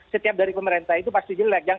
setiap dari pemerintah itu pasti jelek